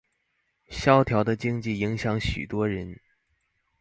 蕭條的經濟影響許多人